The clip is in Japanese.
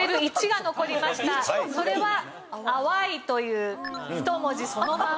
それは「淡い」という１文字そのまんま。